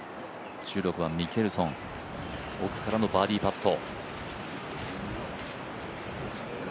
１６番、ミケルソン、奥からのバーディーパット。